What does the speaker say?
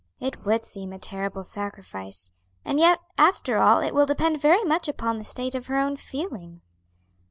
"It would seem a terrible sacrifice; and yet after all it will depend very much upon the state of her own feelings."